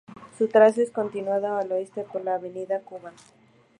Su trazo es continuado al oeste por la avenida Cuba.